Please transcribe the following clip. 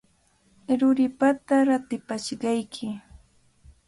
Ruripata ratipashqayki.